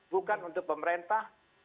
bukan untuk pemerintah